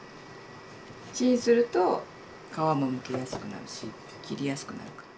チンすると皮もむきやすくなるし切りやすくなるから。